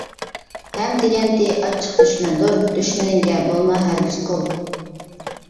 ھەم دېگەنتى ئاچچىق دۈشمەندۇر، دۈشمىنىڭگە بولما ھەرگىز قۇل.